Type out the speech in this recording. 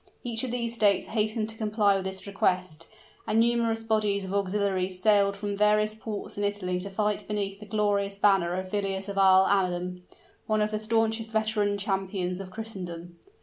Each of these states hastened to comply with this request; and numerous bodies of auxiliaries sailed from various ports in Italy to fight beneath the glorious banner of Villiers of Isle Adam, one of the stanchest veteran champions of Christendom.